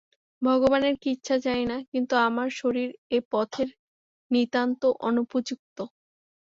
ভগবানের কি ইচ্ছা জানি না, কিন্তু আমার শরীর এ পথের নিতান্ত অনুপযুক্ত।